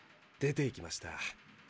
出ていきました。